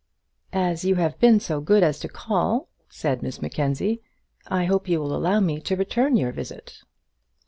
"As you have been so good as to call," said Miss Mackenzie, "I hope you will allow me to return your visit."